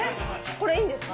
これ、いいんですか？